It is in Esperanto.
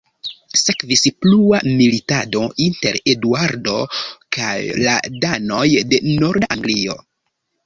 Sekvis plua militado inter Eduardo kaj la danoj de norda Anglio.